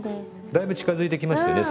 だいぶ近づいてきましたよね